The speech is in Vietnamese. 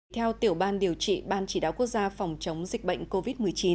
theo tiểu ban điều trị ban chỉ đạo quốc gia phòng chống dịch bệnh covid một mươi chín